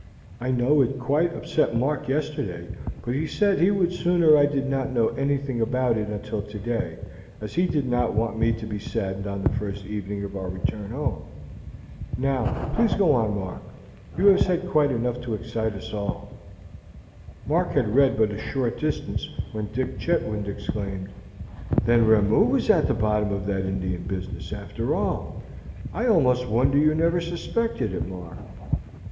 "I know it quite upset Mark yesterday, but he said he would sooner I did not know anything about it until today, as he did not want me to be saddened on the first evening of our return home. Now, please go on, Mark; you have said quite enough to excite us all." Mark had read but a short distance when Dick Chetwynd exclaimed: "Then Ramoo was at the bottom of that Indian business, after all. I almost wonder you never suspected it, Mark."